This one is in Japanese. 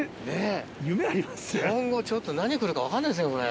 今後ちょっと何来るか分からないですねこれ。